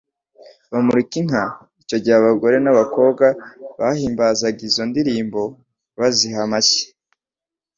bamurika inka. Icyo gihe abagore n'abakobwa bahimbazaga izo ndirimbo baziha amashyi.